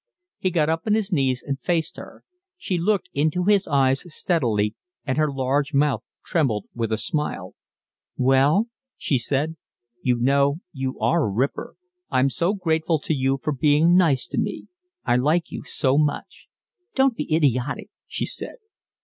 He got up on his knees and faced her. She looked into his eyes steadily, and her large mouth trembled with a smile. "Well?" she said. "You know, you are a ripper. I'm so grateful to you for being nice to me. I like you so much." "Don't be idiotic," she said.